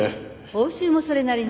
報酬もそれなりに。